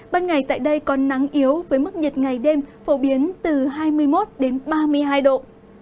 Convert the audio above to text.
ban ngày tại đây có nắng yếu với mức nhiệt ngày đêm phổ biến từ hai mươi một đến ba mươi hai độ